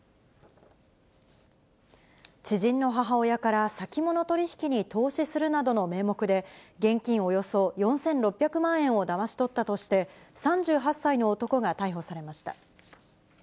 知人の母親から先物取引に投資するなどの名目で、現金およそ４６００万円をだまし取ったとして、３８歳の男が逮捕されました。